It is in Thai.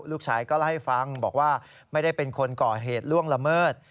ลูกชายก็เล่าให้ฟังบอกว่าไม่ได้เป็นคนก่อเหตุล่วงละเมิด